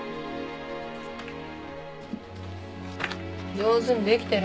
上手にできてる？